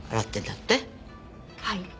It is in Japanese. はい。